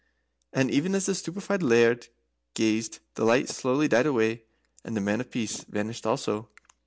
And even as the stupefied Laird gazed, the light slowly died away, and the Man of Peace vanished also.